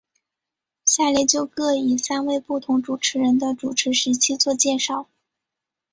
下列就各以三位不同主持人的主持时期做介绍。